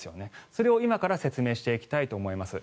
それを今から説明していきたいと思います。